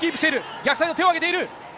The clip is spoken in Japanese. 逆サイド、手を挙げている。